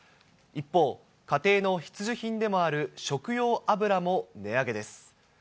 一方、家庭の必需品でもある食用油も値上げです。